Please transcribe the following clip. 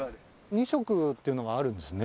２色っていうのがあるんですね。